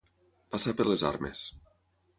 Passar per les armes.